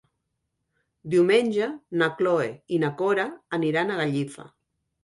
Diumenge na Cloè i na Cora aniran a Gallifa.